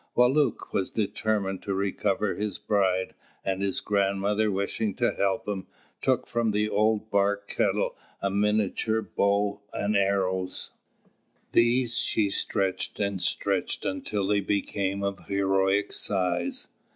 Wālūt was determined to recover his bride, and his grandmother, wishing to help him, took from the old bark kettle a miniature bow and arrows. These she stretched and stretched until they became of heroic size.